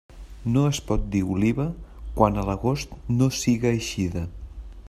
No es pot dir oliva quan a l'agost no siga eixida.